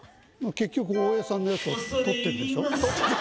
結局大江さんのやつを取ってるんでしょ？